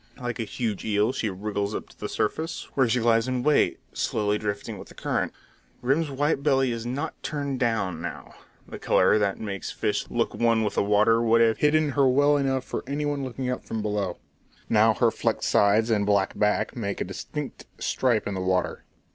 Like a huge eel she wriggles up to the surface, where she lies in wait, slowly drifting with the current. Grim's white belly is not turned down now. The colour that makes the fish look one with the water would then have hidden her well enough for any one looking up from below. Now her flecked sides and black back make a distinct stripe in the water.